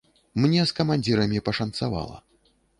Мне з камандзірамі пашанцавала.